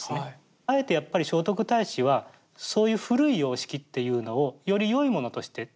あえてやっぱり聖徳太子はそういう古い様式っていうのをよりよいものとして取り入れたと思うんですね。